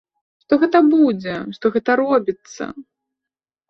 Што гэта будзе, што гэта робіцца?